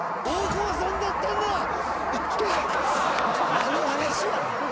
何の話やねん。